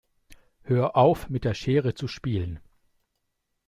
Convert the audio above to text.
Hör auf, mit der Schere zu spielen!